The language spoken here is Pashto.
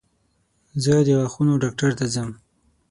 زه د غاښونو ډاکټر ته ځم.